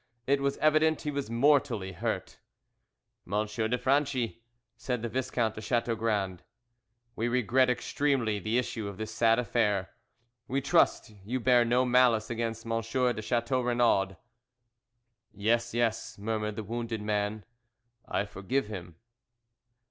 It was evident he was mortally hurt. "M. de Franchi," said the Viscount de Chateaugrand, "we regret extremely the issue of this sad affair. We trust you bear no malice against M. de Chateau Renaud." "Yes, yes," murmured the wounded man, "I forgive him."